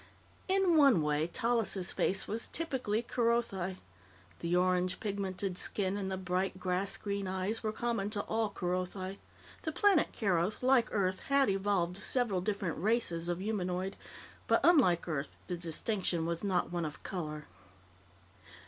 In one way, Tallis' face was typically Kerothi. The orange pigmented skin and the bright, grass green eyes were common to all Kerothi. The planet Keroth, like Earth, had evolved several different "races" of humanoid, but, unlike Earth, the distinction was not one of color.